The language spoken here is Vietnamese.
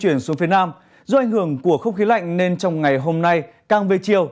chuyển xuống phía nam do ảnh hưởng của không khí lạnh nên trong ngày hôm nay càng về chiều